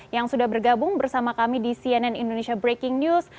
yang sudah bergabung bersama kami di cnn indonesia breaking news